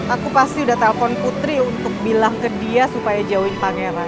aku pasti udah telpon putri untuk bilang ke dia supaya jauhin pangeran